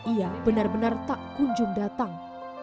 ia benar benar tak kunjung datang